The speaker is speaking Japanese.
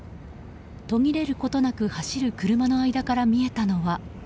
途切れることなく走る車の間から見えたのは。